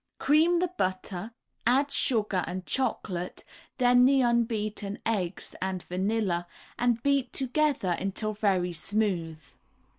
Cream the butter, add sugar and chocolate, then the unbeaten eggs and vanilla, and beat together until very smooth.